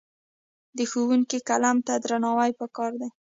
د ښوونکي قلم ته درناوی پکار دی.